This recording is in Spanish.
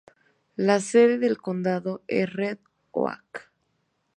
La sede del condado es Red Oak.